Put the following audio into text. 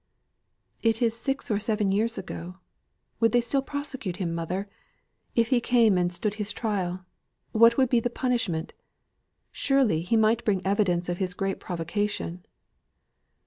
"It is six or seven years ago would they still prosecute him, mother. If he came and stood his trial, what would be the punishment? Surely, he might bring evidence of his great provocation."